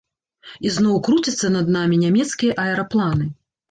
Ізноў круцяцца над намі нямецкія аэрапланы.